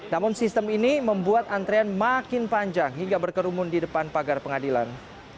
namun sistem ini membuat antrean makin panjang hingga berkerumun di depan pagar pengadilan